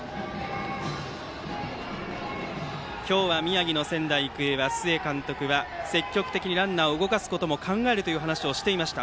今日、宮城の仙台育英の須江監督は積極的にランナーを動かすことも考えるという話もしていました。